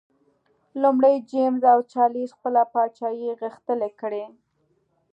لومړی جېمز او چارلېز خپله پاچاهي غښتلي کړي.